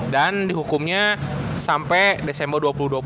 dan dihukumnya sampai desember dua ribu dua puluh